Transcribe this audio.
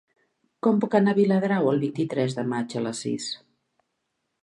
Com puc anar a Viladrau el vint-i-tres de maig a les sis?